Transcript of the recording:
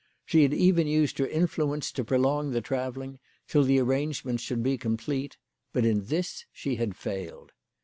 She had even used her influence to prolong the travelling till the arrangements should be complete ; but in this she had failed.